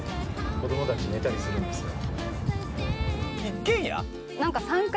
子どもたち寝たりするんですよ